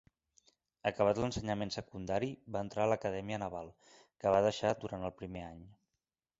Acabat l’ensenyament secundari va entrar a l’Acadèmia Naval, que va deixar durant el primer any.